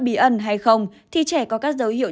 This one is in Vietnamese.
bí ẩn hay không thì trẻ có các dấu hiệu